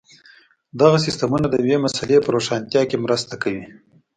دغه سیسټمونه د یوې مسئلې په روښانتیا کې مرسته کوي.